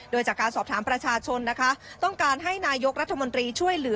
โดยจากการสอบถามประชาชนนะคะต้องการให้นายกรัฐมนตรีช่วยเหลือ